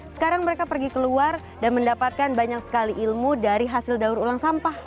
sekarang mereka pergi keluar dan mendapatkan banyak sekali ilmu dari hasil daur ulang sampah